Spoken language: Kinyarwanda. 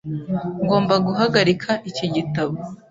Ngomba guhagarika iki gitabo.